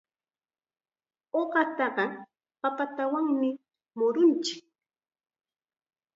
Uqataqa papatanawmi murunchik.